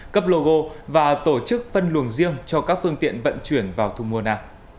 cấp logo và tổ chức phân luồng riêng cho các phương tiện vận chuyển vào thu mua na